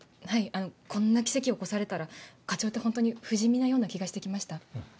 はいこんな奇跡起こされたら課長ってホントに不死身なような気がして来ました。